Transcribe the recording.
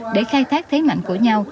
để khai thác thế mạnh của nhau